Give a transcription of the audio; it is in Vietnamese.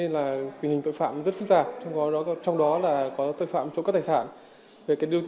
là tình hình tội phạm rất phức tạp trong đó là có tội phạm trộm cắp tài sản